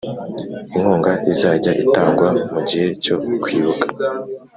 inkunga izajya itangwa mu gihe cyo Kwibuka